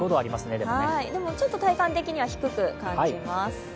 でも、ちょっと体感的には低く感じます。